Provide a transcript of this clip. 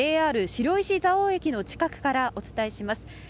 ＪＲ白石蔵王駅の近くからお伝えします。